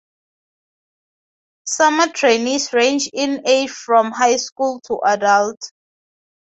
Summer trainees range in age from high school to adult.